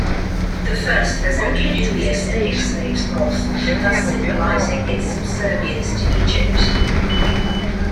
The first has only Nubia sending slaves north, thus symbolizing its subservience to Egypt.